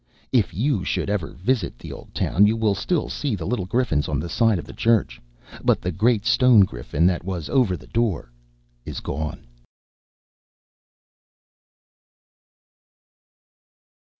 If you should ever visit the old town, you would still see the little griffins on the sides of the church; but the great stone griffin that was over the door is gone.